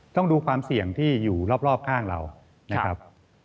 ต้องดูความเสี่ยงที่อยู่รอบข้างเรานะครับ